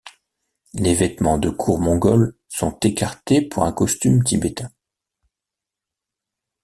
Les vêtements de cour mongols sont écartés pour un costume tibétain.